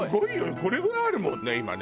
これぐらいあるもんね今ね。